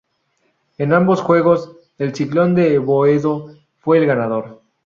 En ambos juegos, el Ciclón de Boedo fue el ganador.